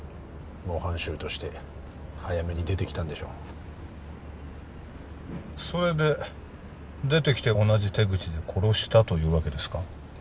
模範囚として早めに出てきたんでしょうそれで出てきて同じ手口で殺したというわけですか？